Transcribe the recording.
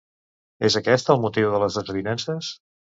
És aquest el motiu de les desavinences?